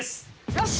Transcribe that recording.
よし！